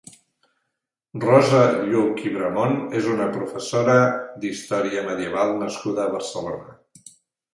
Rosa Lluch i Bramon és una professora d'història medieval nascuda a Barcelona.